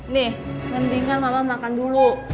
nih mendingan mama makan dulu